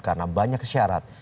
karena banyak syarat